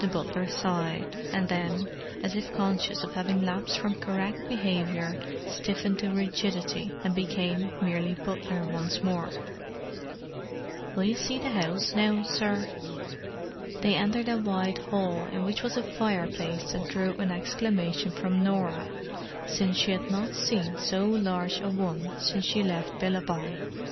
The butler sighed, and then, as if conscious of having lapsed from correct behaviour, stiffened to rigidity and became merely butler once more. "Will you see the 'ouse now, sir?" They entered a wide hall in which was a fireplace that drew an exclamation from Norah, since she had not seen so large a one since she left Billabong.